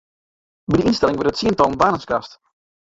By de ynstelling wurde tsientallen banen skrast.